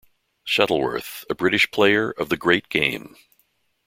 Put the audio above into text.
Shuttleworth a British player of The Great Game.